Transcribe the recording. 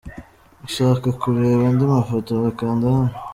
Ushaka kureba andi mafoto wakanda hano.